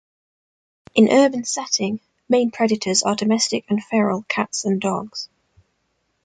In urban setting main predators are domestic and feral cats and dogs.